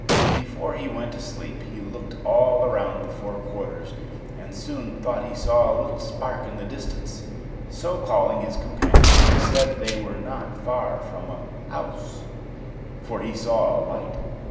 Before he went to sleep he looked all round the four quarters, and soon thought he saw a little spark in the distance; so, calling his companions, he said they were not far from a house, for he saw a light.